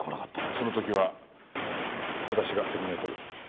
その時は私が責任を取る。